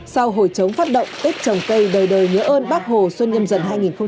sau hồi chống phát động tết trồng cây đời đời nhớ ơn bác hồ xuân nhâm dần hai nghìn hai mươi bốn